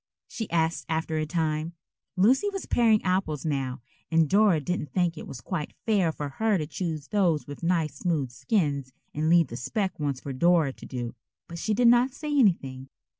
she asked after a time. Lucy was paring apples now, and Dora didn't think it was quite fair for her to choose those with nice smooth skins and leave the specked ones for Dora to do. But she did not say anything.